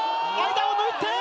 間を抜いて。